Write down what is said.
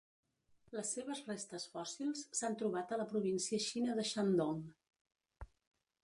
Les seves restes fòssils s'han trobat a la província Xina de Shandong.